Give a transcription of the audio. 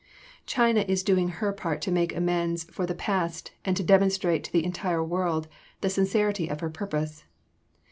China is doing her part to make amends for the past and to demonstrate to the entire world the sincerity of her purpose.